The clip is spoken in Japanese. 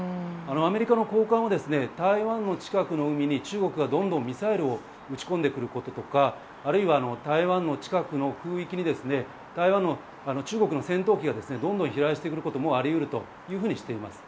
アメリカの高官は台湾近くの海に中国がどんどんミサイルを撃ち込んでくることとかあるいは、台湾の近くの空域に中国の戦闘機がどんどん飛来してくることもあり得るとしています。